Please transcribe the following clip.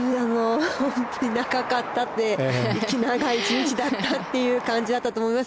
長かったって長い１日だったという感じだったと思います。